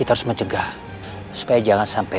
taman kan jangan dipati